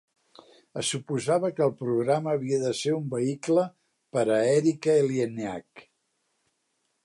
Es suposava que el programa havia de ser un vehicle per a Erika Eleniak.